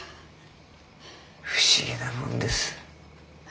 不思議なもんです。